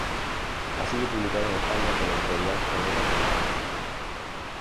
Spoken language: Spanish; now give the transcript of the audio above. Ha sido publicado en España por la editorial Planeta Cómic.